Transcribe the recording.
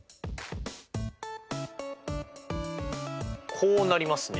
こうなりますね。